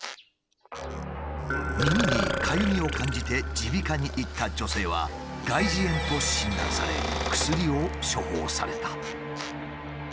耳にかゆみを感じて耳鼻科に行った女性は外耳炎と診断され薬を処方された。